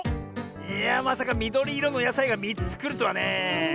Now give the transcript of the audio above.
いやまさかみどりいろのやさいが３つくるとはねえ。